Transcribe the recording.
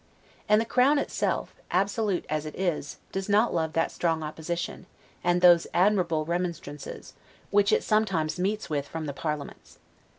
And the Crown itself, absolute as it is, does not love that strong opposition, and those admirable remonstrances, which it sometimes meets with from the parliaments.